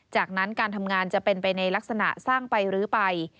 จากนั้นการทำงานจะเป็นไปในลักษณะสร้างไปรื้อไป